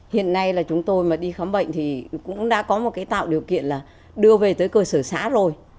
hiện nay là chúng tôi mà đi khám bệnh thì cũng đã có một cái tạo điều kiện là đưa về tới cơ sở xã rồi